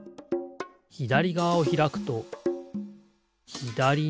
ひだりがわをひらくとひだりにころがる。